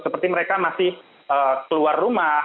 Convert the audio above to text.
seperti mereka masih keluar rumah